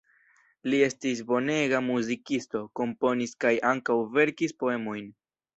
Li estis bonega muzikisto, komponis kaj ankaŭ verkis poemojn.